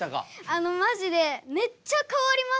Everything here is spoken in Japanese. あのマジでめっちゃ変わりました。